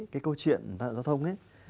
cái câu chuyện giao thông